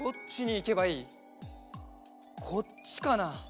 こっちかな？